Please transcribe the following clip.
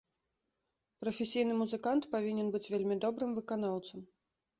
Прафесійны музыкант павінен быць вельмі добрым выканаўцам.